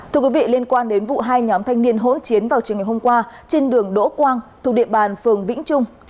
thưa quý vị liên quan đến vụ hai nhóm thanh niên hỗn chiến vào chiều ngày hôm qua trên đường đỗ quang thuộc địa bàn phường vĩnh trung